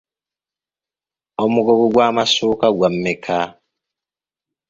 Omugogo gw'amasuuka gwa mmeka?